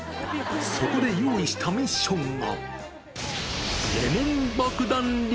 そこで用意したミッションが。